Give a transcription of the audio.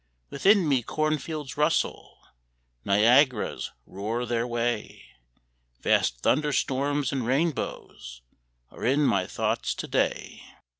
Within me cornfields rustle, Niagaras roar their way, Vast thunderstorms and rainbows Are in my thought to day.